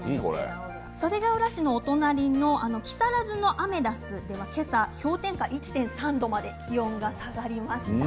袖ヶ浦市のお隣の木更津のアメダスでは今朝氷点下１．３度まで気温が下がりました。